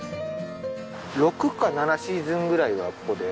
６か７シーズンぐらいはここで。